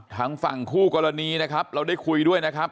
ทางฝั่งคู่กรณีนะครับเราได้คุยด้วยนะครับ